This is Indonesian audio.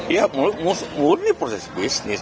ya menurut mewuruhi proses bisnis